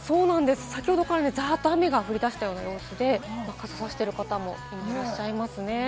先ほどからざっと雨が降り出した様子で、傘をさしている方もいらっしゃいますね。